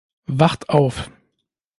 Wacht auf!